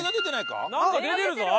なんか出てるぞ！